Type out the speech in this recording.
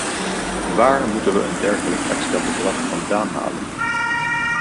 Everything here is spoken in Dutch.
Waar moeten we een dergelijk extra bedrag vandaan halen?